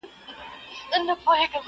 رابولې زر مخونه د خپل مخ و تماشې ته,